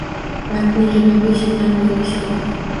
Bankda yigirma besh yildan beri ishlayman